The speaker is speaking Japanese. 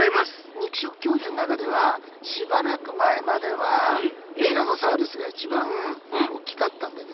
肉食恐竜の中ではしばらく前まではティラノサウルスが一番大きかったんだけど。